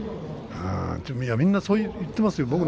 みんなそう言っていますよ。